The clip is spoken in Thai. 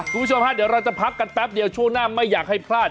คุณผู้ชมฮะเดี๋ยวเราจะพักกันแป๊บเดียวช่วงหน้าไม่อยากให้พลาด